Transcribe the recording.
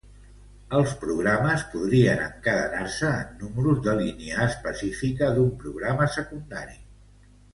Els programes podrien encadenar-se en números de línia específics d'un programa secundari.